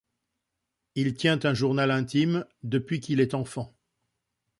Il tient un journal intime depuis qu’il est enfant.